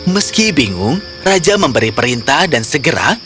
meski bingung raja memberi perintah dan segera